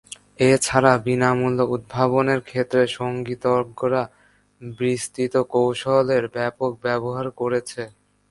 এছাড়া, বিনামূল্য উদ্ভাবনের ক্ষেত্রে সংগীতজ্ঞরা বিস্তৃত কৌশলের ব্যাপক ব্যবহার করেছে।